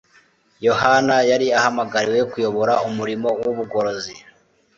Yohana yari ahamagariwe kuyobora umurimo w'ubugorozi.